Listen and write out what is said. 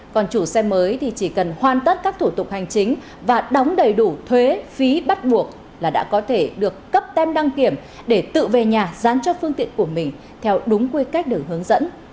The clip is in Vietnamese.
còn chủ xe mới thì chỉ cần hoàn tất các thủ tục hành chính và đóng đầy đủ thuế phí bắt buộc là đã có thể được cấp tem đăng kiểm để tự về nhà dán cho phương tiện của mình theo đúng quy cách đường hướng dẫn